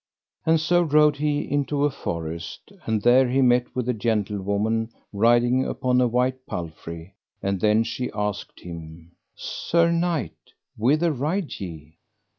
And so rode he into a forest, and there he met with a gentlewoman riding upon a white palfrey, and then she asked him: Sir knight, whither ride ye?